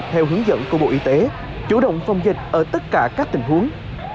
theo hướng dẫn của bộ y tế chủ động phòng dịch ở tất cả các tình huống